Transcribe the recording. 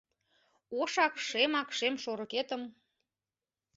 Ошак-шемак шем шорыкетым